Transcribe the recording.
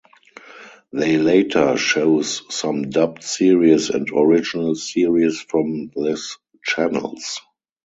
They later shows some dubbed series and original series from this channels.